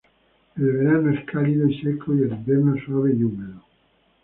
El verano es cálido y seco y el invierno suave y húmedo.